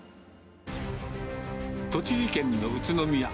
栃木県の宇都宮。